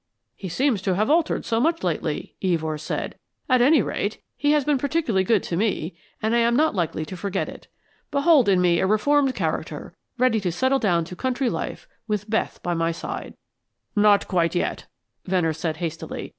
"He seems to have altered so much lately," Evors said. "At any rate, he has been particularly good to me, and I am not likely to forget it. Behold in me a reformed character, ready to settle down to a country life with Beth by my side " "Not quite, yet," Venner said, hastily.